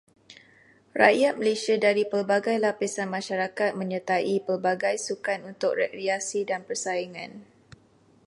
Rakyat Malaysia dari pelbagai lapisan masyarakat menyertai pelbagai sukan untuk rekreasi dan persaingan.